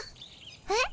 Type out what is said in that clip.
えっ？